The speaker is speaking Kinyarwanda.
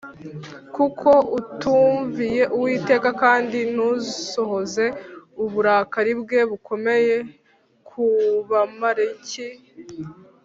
kuko utumviye uwiteka kandi ntusohoze uburakari bwe bukomeye ku bamaleki